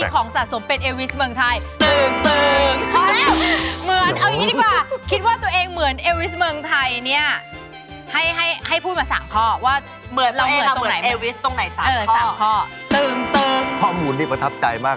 ก็จะต้องที่คุณไปให้ใส่๓ข้อ